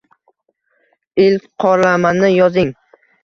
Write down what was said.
Ilk qoralamani yozing